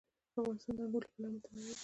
افغانستان د انګور له پلوه متنوع دی.